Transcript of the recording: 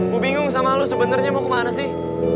gua bingung sama lu sebenernya mau kemana sih